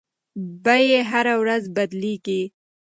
بیې هره ورځ بدلیږي.